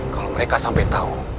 kalau mereka sampai tahu